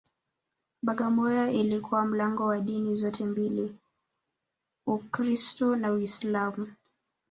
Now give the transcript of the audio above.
Bagamoyo ilikuwa mlango wa dini zote mbili Ukristu na Uislamu